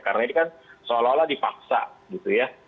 karena ini kan seolah olah dipaksa gitu ya